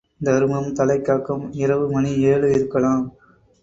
தருமம் தலைகாக்கும் இரவு மணி ஏழு இருக்கலாம்.